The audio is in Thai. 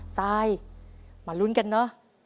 ซายมาลุ้นกันเนอะ